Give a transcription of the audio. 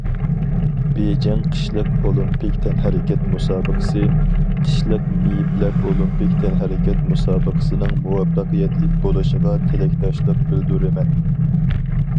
بېيجىڭ قىشلىق ئولىمپىك تەنھەرىكەت مۇسابىقىسى، قىشلىق مېيىپلەر ئولىمپىك تەنھەرىكەت مۇسابىقىسىنىڭ مۇۋەپپەقىيەتلىك بولۇشىغا تىلەكداشلىق بىلدۈرىمەن!